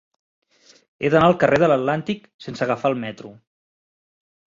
He d'anar al carrer de l'Atlàntic sense agafar el metro.